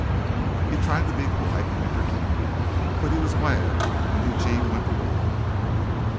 He tried to be polite and entertaining, but he was glad when Eugene went away again.